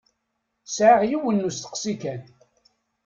Sɛiɣ yiwen n usteqsi kan.